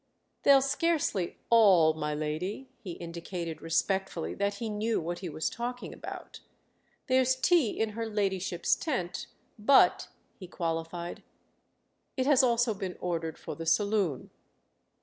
"They'll scarcely all, my lady"—he indicated respectfully that he knew what he was talking about. "There's tea in her ladyship's tent; but," he qualified, "it has also been ordered for the saloon."